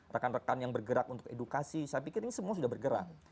rekan rekan yang bergerak untuk edukasi saya pikir ini semua sudah bergerak